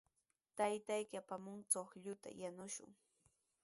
Taytayki apamunqan chuqlluta yanushun.